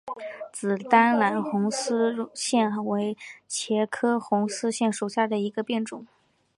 紫单花红丝线为茄科红丝线属下的一个变种。